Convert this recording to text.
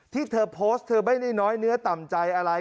ที่เธอโพสต์เธอไม่ได้น้อยเนื้อต่ำใจอะไร